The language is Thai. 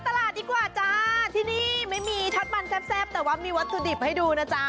ตลาดดีกว่าจ้าที่นี่ไม่มีทอดมันแซ่บแต่ว่ามีวัตถุดิบให้ดูนะจ๊ะ